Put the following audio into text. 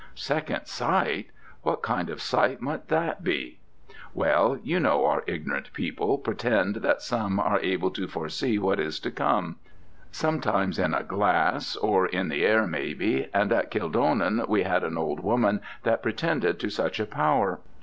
"Second sight! What kind of sight might that be?" "Why, you know our ignorant people pretend that some are able to foresee what is to come sometimes in a glass, or in the air, maybe, and at Kildonan we had an old woman that pretended to such a power.